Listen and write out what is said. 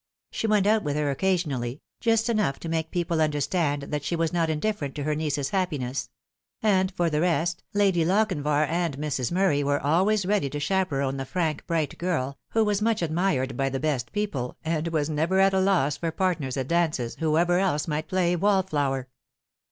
She went out with her occasionally, just enough to make people understand that she was not indifferent to her niece's happiness ; and for the rest, Lady Lochinvar and Mrs. Murray were always ready to chaperon the frank, bright girl, who was much admired by the best people, and was never at a loss for partners at dances, whoever else might play wallflower.